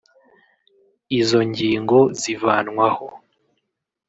izo ngingo zivanwaho